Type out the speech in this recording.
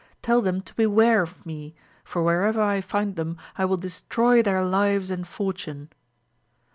Tell them to beware of me, for wherever I find them I will destroy their lives and fortune.